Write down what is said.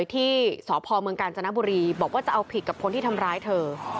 ที่สพเมืองกาญจนบุรีบอกว่าจะเอาผิดกับคนที่ทำร้ายเธอ